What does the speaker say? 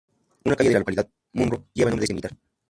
Una calle de la localidad de Munro lleva el nombre de este militar.